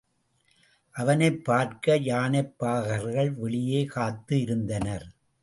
அவனைப் பார்க்க யானைப்பாகர்கள் வெளியே காத்து இருந்தனர்.